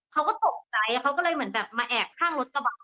เขาก็ตกใจเขาก็เลยเหมือนแบบมาแอบข้างรถกระบะ